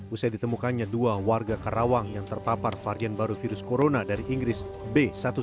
usai ditemukannya dua warga karawang yang terpapar varian baru virus corona dari inggris b satu satu